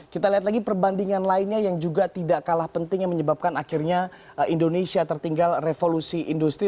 kita lihat lagi perbandingan lainnya yang juga tidak kalah penting yang menyebabkan akhirnya indonesia tertinggal revolusi industri